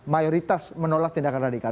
mayoritas menolak tindakan radikal